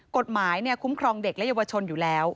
กฎหมายคุ้มครองเด็กและเยาวชนอยู่แล้ว